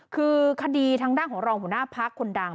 คือคดีทางด้านของรองหัวหน้าพักคนดัง